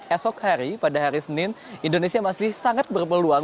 esok hari pada hari senin indonesia masih sangat berpeluang